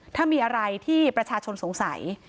ถ้ามีอะไรที่ประชาชนสงสัย